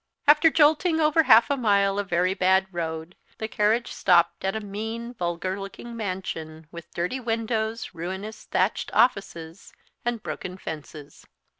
After jolting over half a mile of very bad road, the carriage stopped at a mean vulgar looking mansion, with dirty windows, ruinous thatched offices, and broken fences.